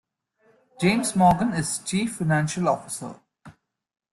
James Morgan is chief financial officer.